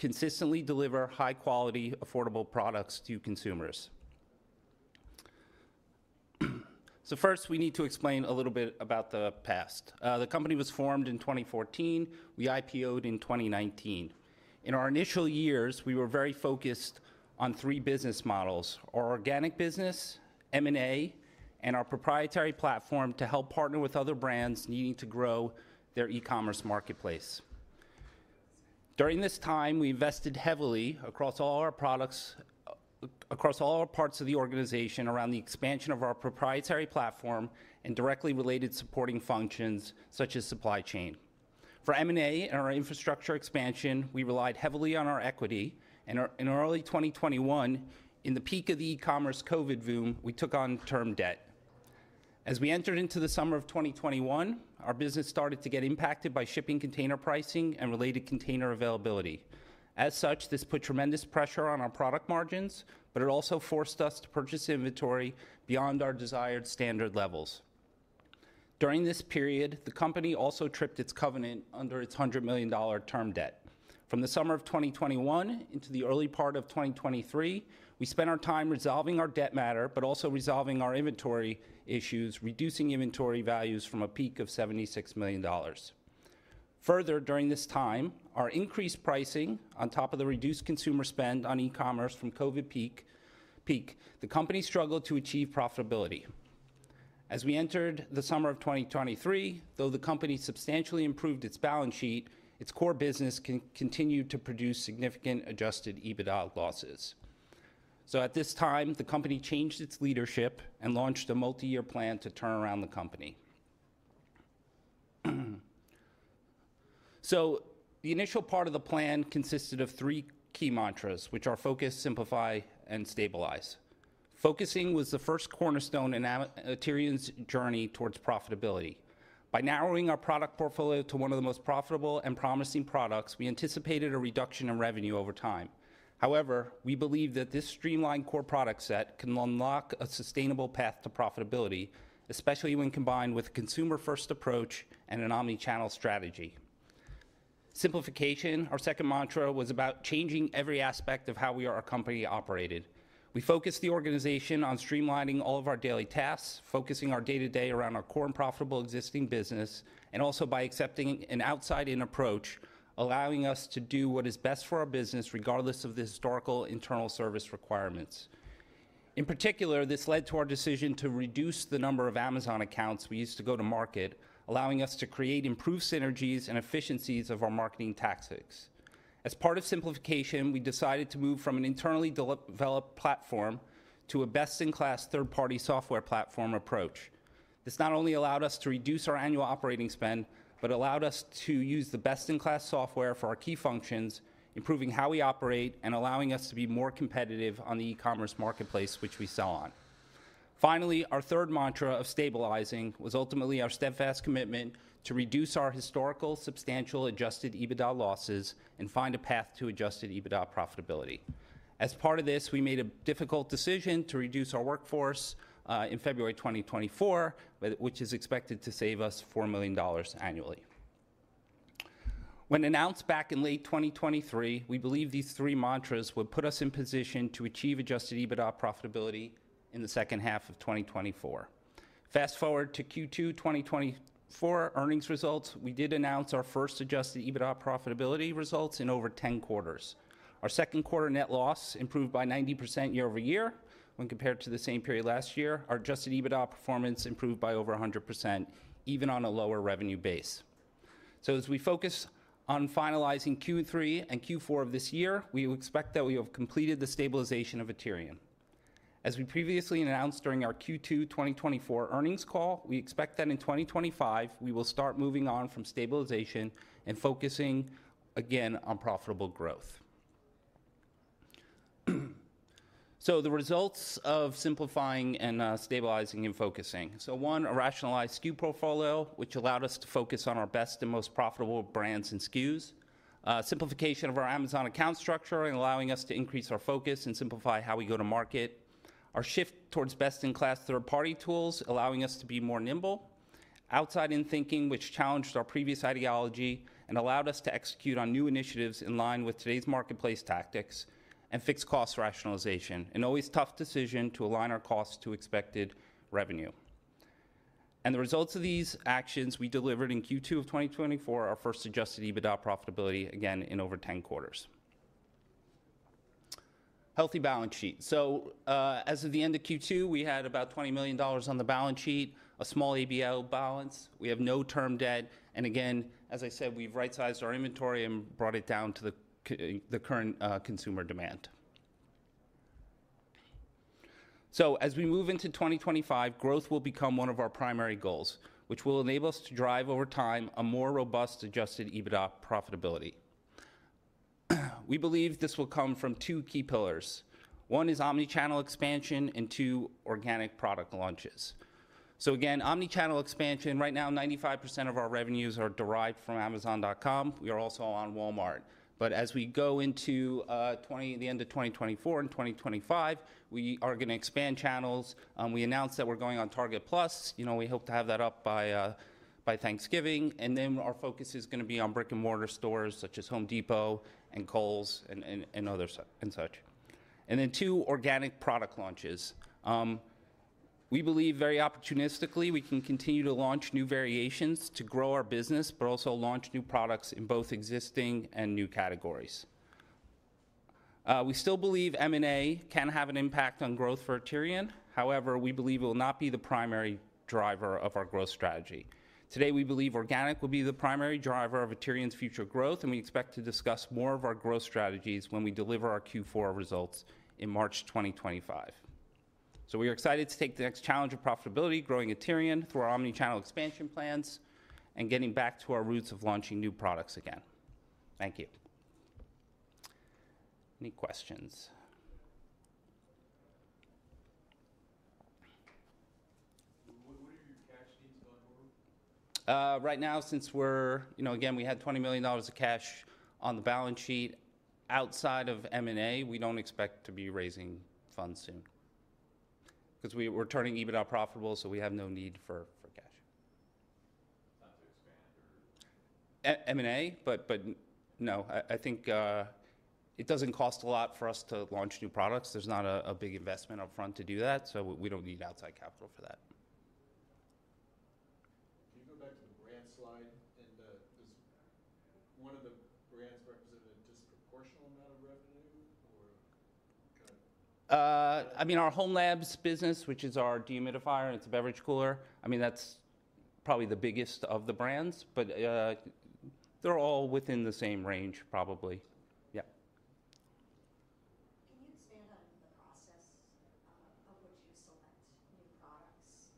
Consistently deliver high-quality, affordable products to consumers. First, we need to explain a little bit about the past. The company was formed in 2014. We IPO'd in 2019. In our initial years, we were very focused on three business models: our organic business, M&A, and our proprietary platform to help partner with other brands needing to grow their e-commerce marketplace. During this time, we invested heavily across all our products, across all our parts of the organization, around the expansion of our proprietary platform and directly related supporting functions such as supply chain. For M&A and our infrastructure expansion, we relied heavily on our equity. In early 2021, in the peak of the e-commerce COVID boom, we took on term debt. As we entered into the summer of 2021, our business started to get impacted by shipping container pricing and related container availability. As such, this put tremendous pressure on our product margins, but it also forced us to purchase inventory beyond our desired standard levels. During this period, the company also tripped its covenant under its $100 million Term Debt. From the summer of 2021 into the early part of 2023, we spent our time resolving our debt matter, but also resolving our inventory issues, reducing inventory values from a peak of $76 million. Further, during this time, our increased pricing on top of the reduced consumer spend on e-commerce from COVID peak. The company struggled to achieve profitability. As we entered the summer of 2023, though the company substantially improved its balance sheet, its core business continued to produce significant Adjusted EBITDA losses. At this time, the company changed its leadership and launched a multi-year plan to turn around the company. So the initial part of the plan consisted of three key mantras, which are focus, simplify, and stabilize. Focusing was the first cornerstone in Aterian's journey towards profitability. By narrowing our product portfolio to one of the most profitable and promising products, we anticipated a reduction in revenue over time. However, we believe that this streamlined core product set can unlock a sustainable path to profitability, especially when combined with a consumer-first approach and an omnichannel strategy. Simplification, our second mantra, was about changing every aspect of how we are a company operated. We focused the organization on streamlining all of our daily tasks, focusing our day-to-day around our core and profitable existing business, and also by accepting an outside-in approach, allowing us to do what is best for our business, regardless of the historical internal service requirements. In particular, this led to our decision to reduce the number of Amazon accounts we used to go to market, allowing us to create improved synergies and efficiencies of our marketing tactics. As part of simplification, we decided to move from an internally developed platform to a best-in-class third-party software platform approach. This not only allowed us to reduce our annual operating spend, but allowed us to use the best-in-class software for our key functions, improving how we operate and allowing us to be more competitive on the e-commerce marketplace, which we saw on. Finally, our third mantra of stabilizing was ultimately our steadfast commitment to reduce our historical substantial Adjusted EBITDA losses and find a path to Adjusted EBITDA profitability. As part of this, we made a difficult decision to reduce our workforce in February 2024, which is expected to save us $4 million annually. When announced back in late 2023, we believed these three mantras would put us in position to achieve Adjusted EBITDA profitability in the second half of 2024. Fast forward to Q2 2024 earnings results, we did announce our first Adjusted EBITDA profitability results in over 10 quarters. Our second quarter net loss improved by 90% year-over-year when compared to the same period last year. Our Adjusted EBITDA performance improved by over 100%, even on a lower revenue base. So as we focus on finalizing Q3 and Q4 of this year, we expect that we have completed the stabilization of Aterian. As we previously announced during our Q2 2024 earnings call, we expect that in 2025, we will start moving on from stabilization and focusing again on profitable growth. So the results of simplifying and stabilizing and focusing. So, one, a rationalized SKU portfolio, which allowed us to focus on our best and most profitable brands and SKUs. Simplification of our Amazon account structure and allowing us to increase our focus and simplify how we go to market. Our shift towards best-in-class third-party tools allowing us to be more nimble. Outside-in thinking, which challenged our previous ideology and allowed us to execute on new initiatives in line with today's marketplace tactics and fixed cost rationalization. An always tough decision to align our costs to expected revenue. And the results of these actions we delivered in Q2 of 2024, our first Adjusted EBITDA profitability, again in over 10 quarters. Healthy balance sheet. So as of the end of Q2, we had about $20 million on the balance sheet, a small ABL balance. We have no term debt. Again, as I said, we've right-sized our inventory and brought it down to the current consumer demand. So as we move into 2025, growth will become one of our primary goals, which will enable us to drive over time a more robust Adjusted EBITDA profitability. We believe this will come from two key pillars. One is omnichannel expansion and two organic product launches. So again, omnichannel expansion. Right now, 95% of our revenues are derived from Amazon.com. We are also on Walmart. But as we go into the end of 2024 and 2025, we are going to expand channels. We announced that we're going on Target Plus. We hope to have that up by Thanksgiving. Then our focus is going to be on brick-and-mortar stores such as Home Depot and Kohl's and others and such. Then two organic product launches. We believe very opportunistically we can continue to launch new variations to grow our business, but also launch new products in both existing and new categories. We still believe M&A can have an impact on growth for Aterian. However, we believe it will not be the primary driver of our growth strategy. Today, we believe organic will be the primary driver of Aterian's future growth, and we expect to discuss more of our growth strategies when we deliver our Q4 results in March 2025. So we are excited to take the next challenge of profitability, growing Aterian through our omnichannel expansion plans and getting back to our roots of launching new products again. Thank you. Any questions? What are your cash needs going forward? Right now, since we're, again, we had $20 million of cash on the balance sheet. Outside of M&A, we don't expect to be raising funds soon because we're turning EBITDA profitable, so we have no need for cash. It's not to expand or? M&A, but no, I think it doesn't cost a lot for us to launch new products. There's not a big investment upfront to do that, so we don't need outside capital for that. Can you go back to the brand slide? And was one of the brands represented a disproportional amount of revenue or? I mean, our hOmeLabs business, which is our dehumidifier and it's a beverage cooler, I mean, that's probably the biggest of the brands, but they're all within the same range, probably. Yeah. Can you expand on the process of which you select new products?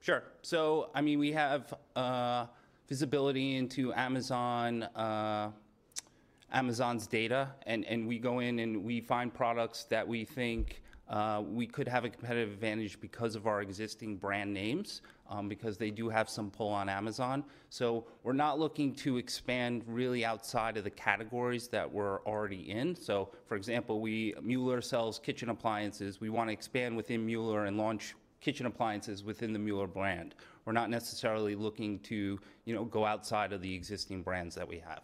Sure. So I mean, we have visibility into Amazon, Amazon's data, and we go in and we find products that we think we could have a competitive advantage because of our existing brand names, because they do have some pull on Amazon. So we're not looking to expand really outside of the categories that we're already in. So for example, Mueller sells kitchen appliances. We want to expand within Mueller and launch kitchen appliances within the Mueller brand. We're not necessarily looking to go outside of the existing brands that we have.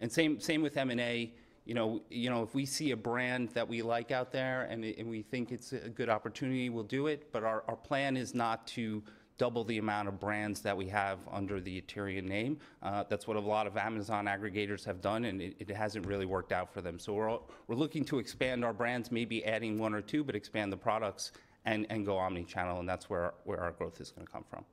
And same with M&A. If we see a brand that we like out there and we think it's a good opportunity, we'll do it. But our plan is not to double the amount of brands that we have under the Aterian name. That's what a lot of Amazon aggregators have done, and it hasn't really worked out for them. So we're looking to expand our brands, maybe adding one or two, but expand the products and go omnichannel. And that's where our growth is going to come from.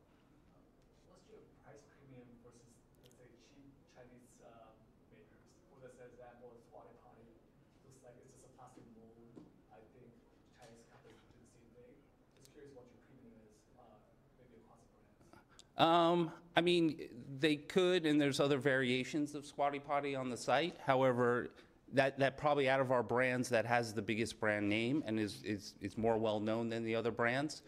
What's your price premium versus, let's say, Chinese makers? For the example of Squatty Potty, it looks like it's just a plastic mold. I think Chinese companies do the same thing. Just curious what your premium is, maybe across the brands. I mean, they could, and there's other variations of Squatty Potty on the site. However, that probably out of our brands that has the biggest brand name and is more well-known than the other brands.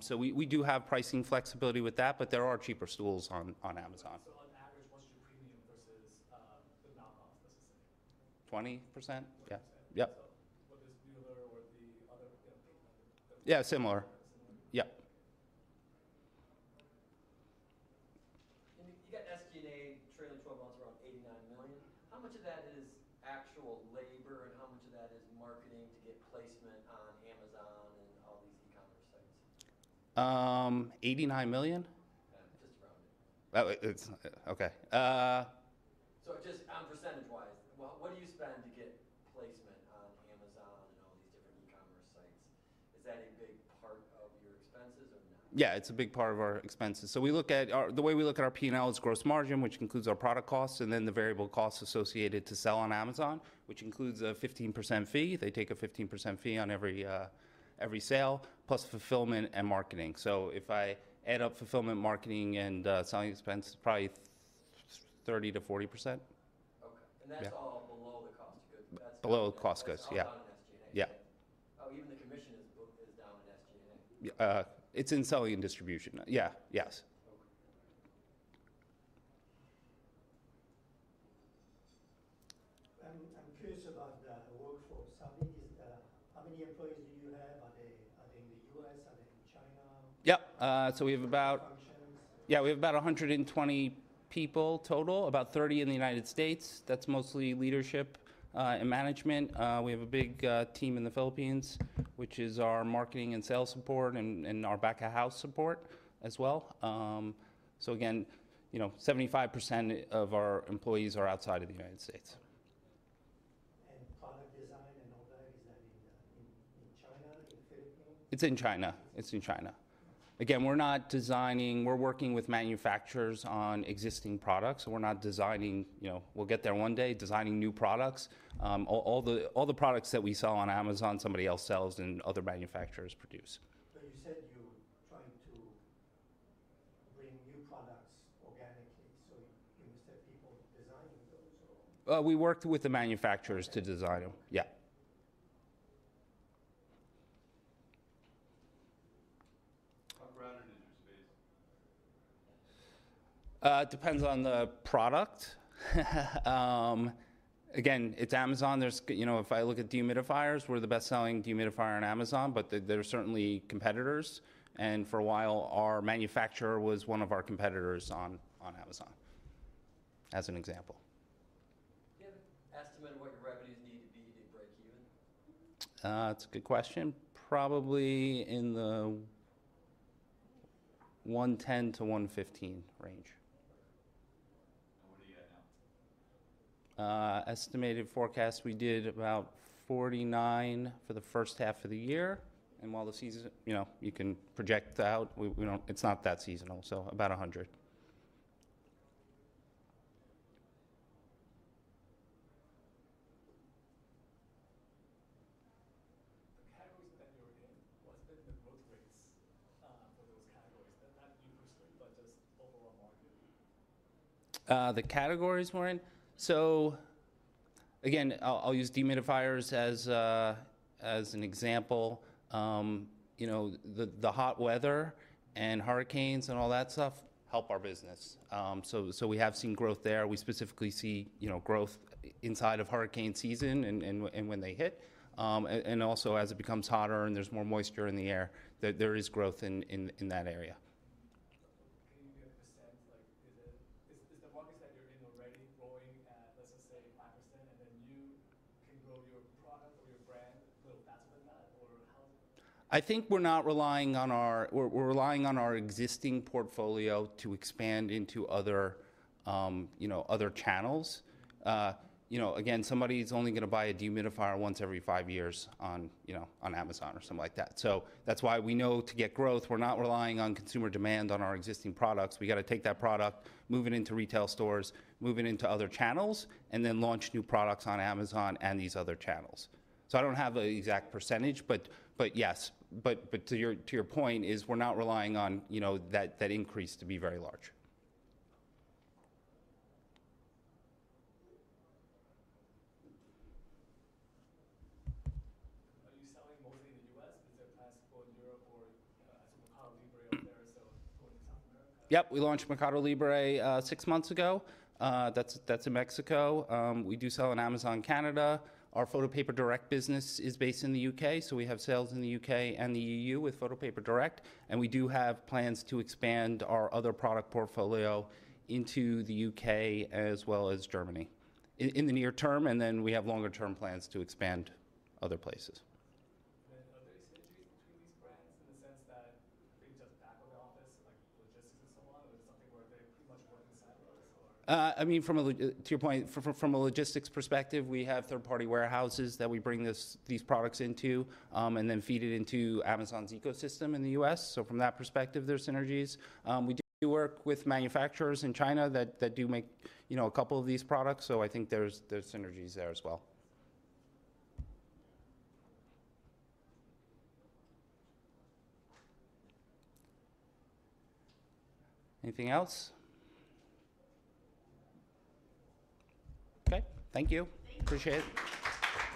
So we do have pricing flexibility with that, but there are cheaper stools on Amazon. So on average, what's your premium versus the house brands specifically? 20%. Yeah. 20%. Yeah. So whether it's Mueller or the other brands? Yeah, similar. Similar? Yeah. You got SG&A trailing 12 months around $89 million. How much of that is actual labor and how much of that is marketing to get placement on Amazon and all these e-commerce sites? 89 million? Just around it. Okay. Just percentage-wise, what do you spend to get placement on Amazon and all these different e-commerce sites? Is that a big part of your expenses or not? Yeah, it's a big part of our expenses. So the way we look at our P&L is Gross Margin, which includes our product costs, and then the variable costs associated to sell on Amazon, which includes a 15% fee. They take a 15% fee on every sale, plus fulfillment and marketing. So if I add up fulfillment, marketing, and selling expense, it's probably 30%-40%. Okay, and that's all below the cost of goods? Below the cost of goods, yeah. That's not on SG&A? Yeah. Oh, even the commission is down in SG&A? It's in selling and distribution. Yeah, yes. Okay. I'm curious about the workforce. How many employees do you have? Are they in the U.S.? Are they in China? Yeah. So we have about. Functions? Yeah, we have about 120 people total, about 30 in the United States. That's mostly leadership and management. We have a big team in the Philippines, which is our marketing and sales support and our back-of-house support as well. So again, 75% of our employees are outside of the United States. Product design and all that, is that in China, in the Philippines? It's in China. It's in China. Again, we're not designing. We're working with manufacturers on existing products. We're not designing. We'll get there one day, designing new products. All the products that we sell on Amazon, somebody else sells and other manufacturers produce. But you said you're trying to bring new products organically. So you must have people designing those or? We worked with the manufacturers to design them. Yeah. How crowded is your space? It depends on the product. Again, it's Amazon. If I look at dehumidifiers, we're the best-selling dehumidifier on Amazon, but there are certainly competitors, and for a while, our manufacturer was one of our competitors on Amazon, as an example. Do you have an estimate of what your revenues need to be to break even? That's a good question. Probably in the 110-115 range. What are you at now? Estimated forecast, we did about 49 for the first half of the year. While the season you can project out, it's not that seasonal. About 100. The categories that you're in, what's been the growth rates for those categories? Not you personally, but just overall market? The categories we're in? So again, I'll use dehumidifiers as an example. The hot weather and hurricanes and all that stuff help our business. So we have seen growth there. We specifically see growth inside of hurricane season and when they hit. And also as it becomes hotter and there's more moisture in the air, there is growth in that area. Can you give a percent? Is the market that you're in already growing at, let's just say, 5%, and then you can grow your product or your brand a little faster than that, or how? I think we're relying on our existing portfolio to expand into other channels. Again, somebody's only going to buy a dehumidifier once every five years on Amazon or something like that. So that's why we know to get growth, we're not relying on consumer demand on our existing products. We got to take that product, move it into retail stores, move it into other channels, and then launch new products on Amazon and these other channels. So I don't have an exact percentage, but yes. But to your point, we're not relying on that increase to be very large. Are you selling mostly in the U.S.? Is there a footprint in Europe or some Mercado Libre up there? So going to South America? Yep. We launched Mercado Libre six months ago. That's in Mexico. We do sell on Amazon Canada. Our Photo Paper Direct business is based in the U.K. So we have sales in the U.K. and the EU with Photo Paper Direct. And we do have plans to expand our other product portfolio into the U.K. as well as Germany in the near term. And then we have longer-term plans to expand other places. Are there exchanges between these brands in the sense that they just back up the office and logistics and so on? Or is it something where they're pretty much working silos or? I mean, to your point, from a logistics perspective, we have third-party warehouses that we bring these products into and then feed it into Amazon's ecosystem in the U.S. So from that perspective, there's synergies. We do work with manufacturers in China that do make a couple of these products. So I think there's synergies there as well. Anything else? Okay. Thank you. Appreciate it.